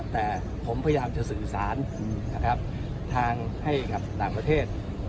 แต่ผมพยายามจะสื่อสารนะครับทางให้กับต่างประเทศ